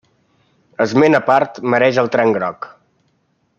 Esment a part mereix el Tren Groc.